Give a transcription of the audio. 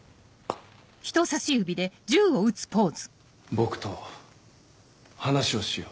僕と話をしよう。